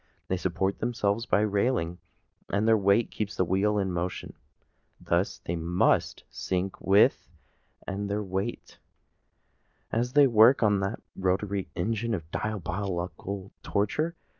They support themselves by a railing, and their weight keeps the wheel in motion. Thus they must sink with all their weight, as they work on that rotatory engine of diabolical torture.